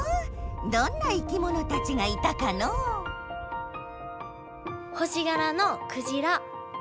どんな生きものたちがいたかのう星がらのクジラ。